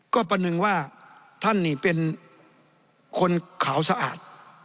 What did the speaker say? ก็ประหนึ่งว่าท่านนี่เป็นคนขาวสะอาด